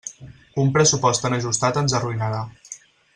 Un pressupost tan ajustat ens arruïnarà.